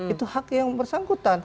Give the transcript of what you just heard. itu hak yang bersangkutan